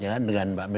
jangan dengan pak sby